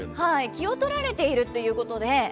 気を取られているということで。